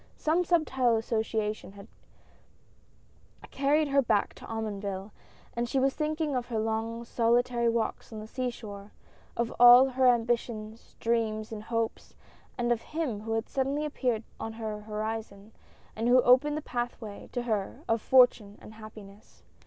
Some subtile association had carried her back to Omonville, and she was thinking of her long solitary walks on the sea shore — of all her ambitious dreams and hopes, and of him who had suddenly appeared on her horizon, and who opened the pathway to her of Fortune and Happiness.